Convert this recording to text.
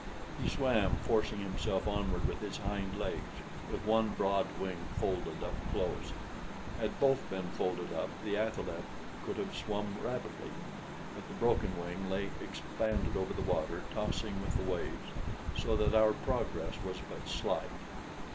He swam, forcing himself onward with his hind legs, with one broad wing folded up close. Had both been folded up the athaleb could have swum rapidly; but the broken wing lay expanded over the water, tossing with the waves, so that our progress was but slight.